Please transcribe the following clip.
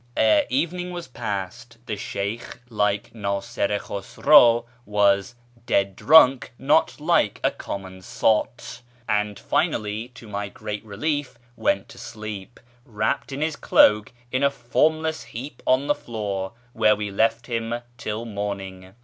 " Ere evening was past, the Sheykh, like Nasir i Khusraw, was " dead drunk, not like a common sot," and finally, to ray great relief, went to sleep, wrapped in his cloak, in a form less heap on the floor, where we left him till morning.